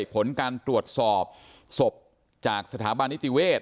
ผลการตรวจสอบศพจากสถาบันนิติเวศ